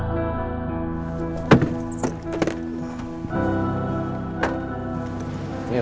lo udah ngerti kan